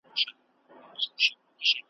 همېشه به یې تور ډک وو له مرغانو `